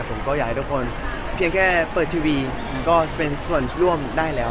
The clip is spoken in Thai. ผมก็อยากให้ทุกคนเพียงแค่เปิดทีวีก็เป็นส่วนร่วมได้แล้ว